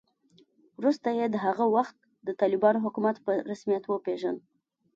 وروسته یې د هغه وخت د طالبانو حکومت په رسمیت وپېژاند